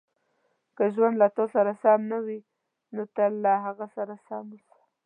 • که ژوند له تا سره سم نه وي، ته له هغه سره سم اوسه.